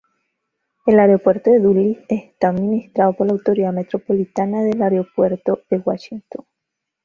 El aeropuerto de Dulles está administrado por la Autoridad Metropolitana de Aeropuertos de Washington.